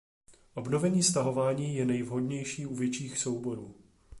Obnovení stahování je nejvhodnější u větších souborů.